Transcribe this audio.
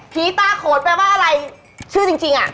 ตาโขนแปลว่าอะไรชื่อจริงอ่ะ